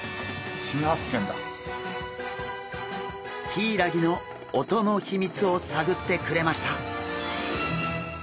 ヒイラギの音の秘密を探ってくれました！